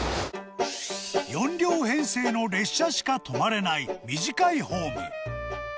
４両編成の列車しか止まれない短いホーム。